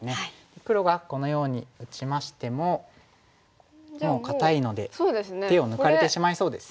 黒がこのように打ちましてももう堅いので手を抜かれてしまいそうですね。